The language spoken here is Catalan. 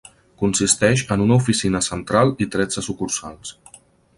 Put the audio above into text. Consisteix en una oficina central i tretze sucursals.